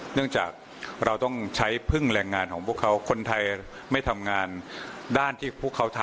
เนื่องจากเราต้องใช้พึ่งแรงงานของพวกเขาคนไทยไม่ทำงานด้านที่พวกเขาทำ